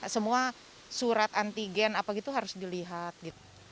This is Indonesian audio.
semua surat antigen apa gitu harus dilihat gitu